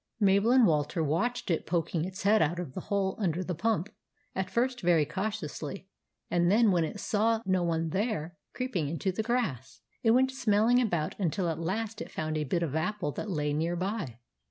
Mabel and Walter watched it poking its head out of the hole under the pump, at first very cautiously, and then, when it saw no one there, creeping into the grass. It went smelling about until at last it found a bit of apple that lay near by.